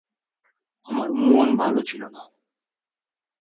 আমার মন ভালো ছিল না।